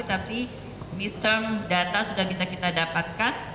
tapi data sudah bisa kita dapatkan